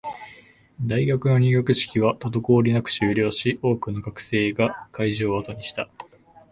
大学の入学式は滞りなく終了し、多くの学生が会場を後にした